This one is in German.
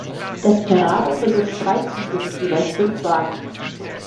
Desperado besitzt drei Züge mit jeweils fünf Wagen.